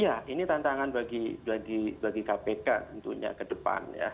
iya ini tantangan bagi kpk tentunya ke depan ya